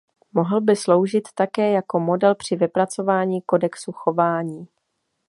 Mohl by sloužit také jako model při vypracování kodexu chování.